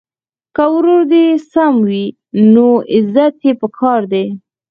که ورور دي سم وي نو عزت یې په کار دی.